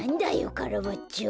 カラバッチョ。